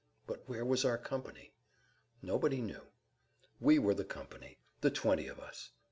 But where was our company? Nobody knew. We were the company, the twenty of us.